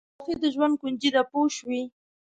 خوښي د ژوند کونجي ده پوه شوې!.